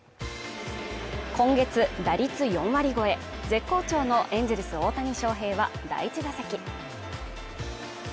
今月打率４割超え、絶好調のエンゼルス大谷翔平は第１打席。